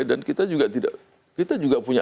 dan kita juga punya